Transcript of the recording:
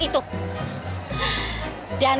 dan itu dia honey